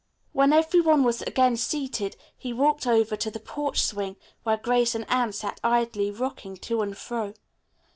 When every one was again seated he walked over to the porch swing where Grace and Anne sat idly rocking to and fro.